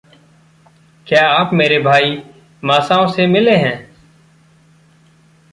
क्या आप मेरे भाई मासाओ से मिले हैं?